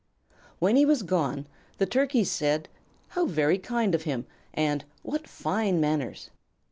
When he was gone, the Turkeys said: "How very kind of him!" and "What fine manners!"